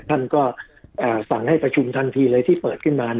ท่านก็สั่งให้ประชุมทันทีเลยที่เปิดขึ้นมา